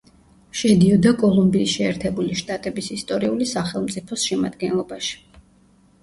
შედიოდა კოლუმბიის შეერთებული შტატების ისტორიული სახელწმიფოს შემადგენლობაში.